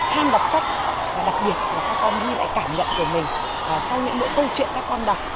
tham đọc sách và đặc biệt là các con ghi lại cảm nhận của mình sau những mỗi câu chuyện các con đọc